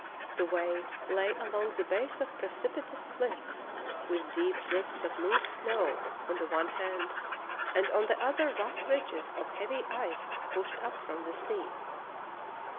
The way lay along the base of precipitous cliffs, with deep drifts of loose snow on the one hand, and on the other rough ridges of heavy ice pushed up from the sea.